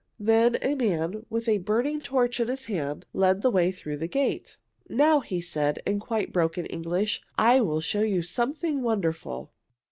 Then a man, with a burning torch in his hand, led the way through a gate. "Now," he said in quite broken English, "I will show you something wonderful!"